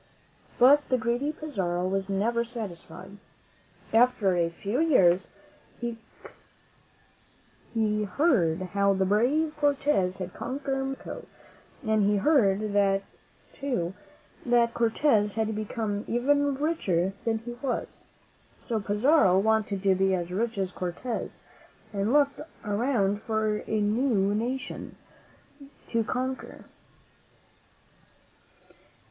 But the greedy Pizarro was never satisfied. After a few years, he heard how the brave Cortez had conquered Mexico, and he heard, too, that Cortez had become even richer than he was. So Pizarro wanted to be as rich as Cortez, and he looked around for a new nation to conquer.